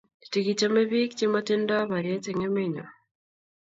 Tkichame pik che matindo bariyet en emet nyon